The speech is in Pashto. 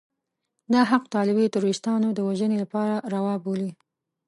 دا حق طالبي تروريستان د وژنې لپاره روا بولي.